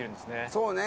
そうね。